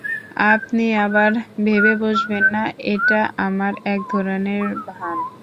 আপনি আবার ভেবে বসবেন না, এটাও আমার একধরনের ভান।